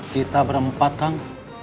kita berempat kang